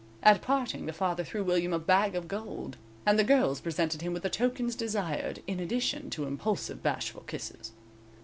At parting the father threw William a bag of gold, and the girls presented him with the tokens desired, in addition to impulsive bashful kisses.